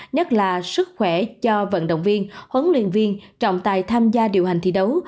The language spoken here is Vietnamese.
nhất là sức khỏe cho vận động viên huấn luyện viên trọng tài tham gia điều hành thi đấu